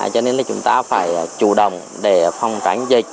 cho nên là chúng ta phải chủ động để phòng tránh dịch